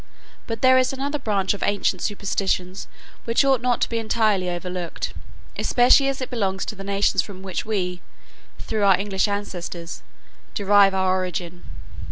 But there is another branch of ancient superstitions which ought not to be entirely overlooked, especially as it belongs to the nations from which we, through our English ancestors, derive our origin.